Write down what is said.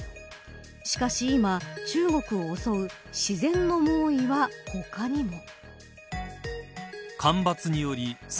しかし今、中国を襲う自然の猛威は他にも。